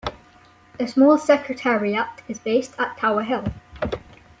A small secretariat is based at Tower Hill.